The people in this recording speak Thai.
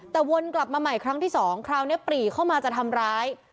แต่วนกลับมาใหม่ครั้งที่สองคราวนี้ปรีเข้ามาจะทำร้าย